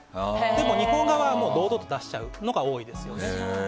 でも日本画は堂々と出しちゃうのが多いですね。